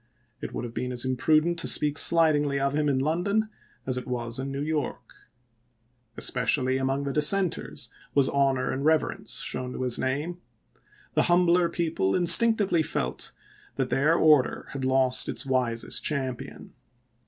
It would have been as imprudent to speak slightingly of him in London as it was in New York. Espe cially among the Dissenters was honor and rever ence shown to his name. The humbler people instinctively felt that their order had lost its wisest champion.